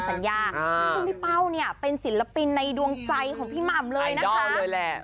ซึ่งพี่เป้าเนี่ยเป็นศิลปินในดวงใจของพี่หม่ำเลยนะคะอันดอลเลยแหละ